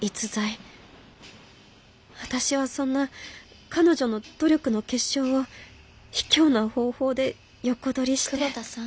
私はそんな彼女の努力の結晶をひきょうな方法で横取りして久保田さん？